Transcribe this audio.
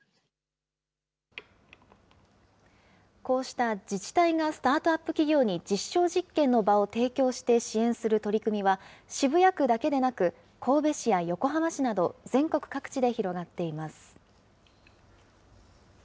こうした自治体がスタートアップ企業に実証実験の場を提供して支援する取り組みは、渋谷区だけでなく、神戸市や横浜市など、全国各地で広がっています。